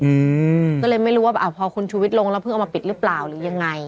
อืมก็เลยไม่รู้ว่าอ่าพอคุณชูวิทย์ลงแล้วเพิ่งเอามาปิดหรือเปล่าหรือยังไง